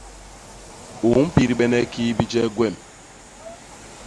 U mpidbene kii bijek gwem?